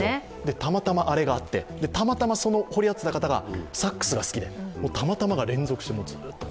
たまたまあれがあって、たまたま掘り当てた方がサックスが好きで、たまたまが連続してずっと。